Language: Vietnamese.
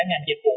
các ngành dịch vụ